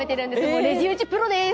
「もうレジ打ちプロです！」